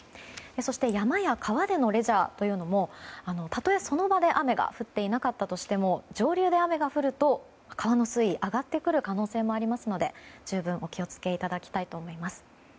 そして、山や川でのレジャーというのも例え、その場で雨が降っていなかったとしても上流で雨が降ると川の水位が上がってくる可能性がありますので十分お気を付けいただきたいと思います。